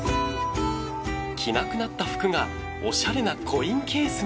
着なくなった服がおしゃれなコインケースに